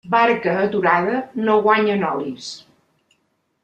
Barca aturada no guanya nolis.